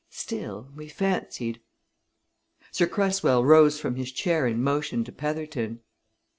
Still, we fancied " Sir Cresswell rose from his chair and motioned to Petherton.